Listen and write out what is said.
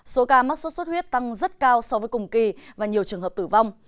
số ca mắc sốt xuất huyết tăng rất cao so với cùng kỳ và nhiều trường hợp tử vong